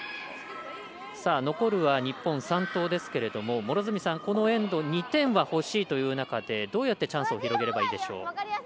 残るは日本３投ですけれどもこのエンド２点はほしいという中でどうやってチャンスを広げればいいでしょう。